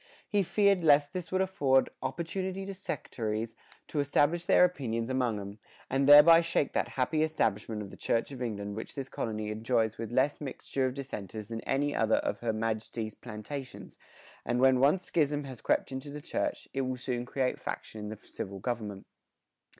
He feared lest this would afford "opportunity to Sectarys to establish their opinions among 'em, and thereby shake that happy establishment of the Church of England which this colony enjoys with less mixture of Dissenters than any other of her Maj'tie's plantations, and when once Schism has crept into the Church, it will soon create faction in the Civil Government."